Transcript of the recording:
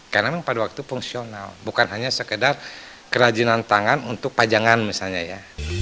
karena memang pada waktu fungsional bukan hanya sekedar kerajinan tangan untuk pajangan misalnya ya